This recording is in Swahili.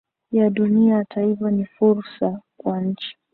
ya dunia Hata hivyo ni fursa kwa nchi